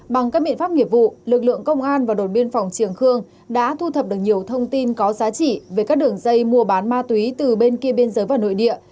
bằng các biện pháp nghiệp vụ lực lượng công an và đồn biên phòng triềng khương đã thu thập được nhiều thông tin có giá trị về các đường dây mua bán ma túy từ bên kia biên giới vào nội địa